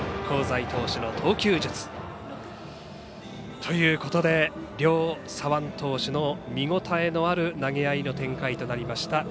香西投手の投球術。ということで、両左腕投手の見応えのある投げ合いの展開となりました